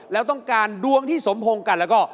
แล้วต้องการดวงที่สมพงษ์กันแล้วก็